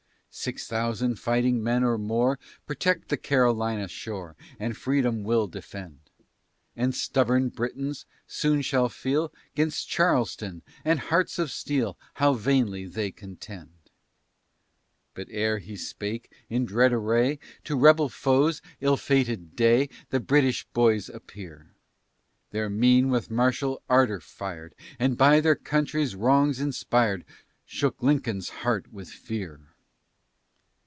"Six thousand fighting men or more, Protect the Carolina shore, And Freedom will defend; And stubborn Britons soon shall feel, 'Gainst Charleston, and hearts of steel, How vainly they contend." But ere he spake, in dread array, To rebel foes, ill fated day, The British boys appear; Their mien with martial ardor fir'd, And by their country's wrongs inspir'd, Shook Lincoln's heart with fear.